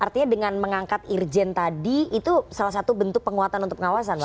artinya dengan mengangkat irjen tadi itu salah satu bentuk penguatan untuk pengawasan